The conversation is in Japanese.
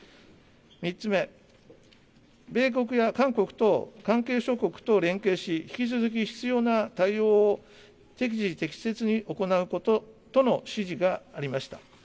３つ目、米国や韓国等関係諸国と連携し、引き続き必要な対応を適時適切に行うこととの指示がありました。